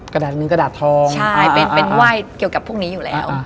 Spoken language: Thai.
กระดาษหนึ่งกระดาษทองใช่เป็นไหว้เกี่ยวกับพวกนี้อยู่แล้ว